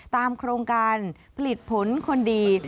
โครงการผลิตผลคนดี